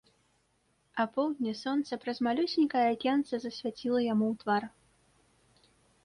Апоўдні сонца праз малюсенькае акенца засвяціла яму ў твар.